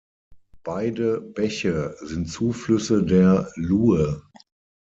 Beide Bäche sind Zuflüsse der Loue.